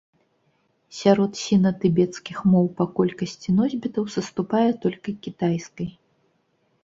Сярод сіна-тыбецкіх моў па колькасці носьбітаў саступае толькі кітайскай.